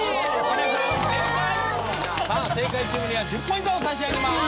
さあ正解チームには１０ポイントを差し上げます。